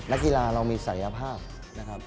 นักกีฬาเรามีศักยภาพนะครับ